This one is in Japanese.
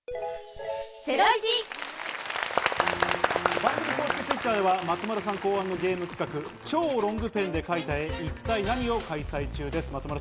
番組公式Ｔｗｉｔｔｅｒでは松丸さん考案のゲーム企画「超ロングペンで描いた絵一体ナニ！？」を開催中です。